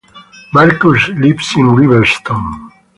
Markus lives in Riverstone.